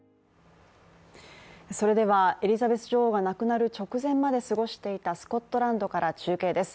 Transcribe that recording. それではエリザベス女王が亡くなる直前まで過ごしていたスコットランドから中継です。